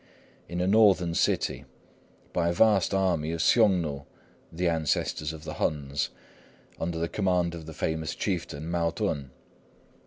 in a northern city, by a vast army of Hsiung nu, the ancestors of the Huns, under the command of the famous chieftain, Mao tun.